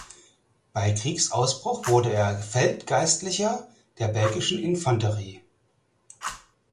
Bei Kriegsausbruch wurde er Feldgeistlicher der belgischen Infanterie.